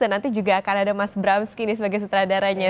dan nanti juga akan ada mas bramski sebagai sutradaranya